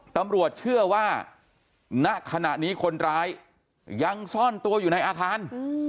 ตำรวจเชื่อว่าณขณะนี้คนร้ายยังซ่อนตัวอยู่ในอาคาร